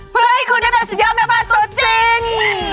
เพื่อให้คุณได้มีสุดยอดในบ้านจนจริง